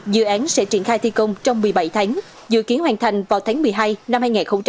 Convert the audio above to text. dự án sẽ triển khai thi công trong một mươi bảy tháng dự kiến hoàn thành vào tháng một mươi hai năm hai nghìn hai mươi